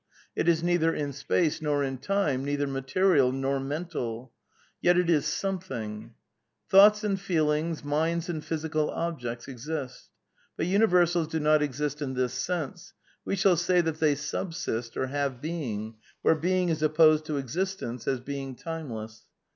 ... It is neither in space nor in time, neither material nor mental; yet it is something "■]■ ''Thoughts and feelings, minds and physical objects exist. But universals do not exist in this sense; we shall say that they subsist or have being, where being is opposed to ' existence ' as being timeless.